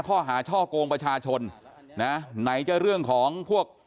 ข้อหาช่อกงประชาชนนะไหนจะเรื่องของพวก